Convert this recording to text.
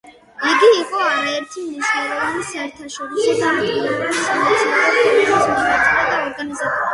იგი იყო არაერთი მნიშვნელოვანი საერთაშორისო და ადგილობრივი სამეცნიერო ფორუმის მონაწილე და ორგანიზატორი.